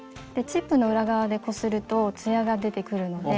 チップの裏側でこするとつやが出てくるので。